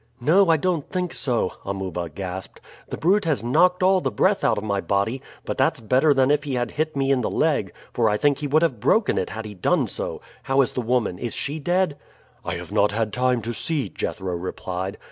"No, I don't think so," Amuba gasped. "The brute has knocked all the breath out of my body; but that's better than if he had hit me in the leg, for I think he would have broken it had he done so. How is the woman is she dead?" "I have not had time to see," Jethro replied.